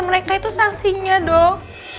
mereka itu saksinya dok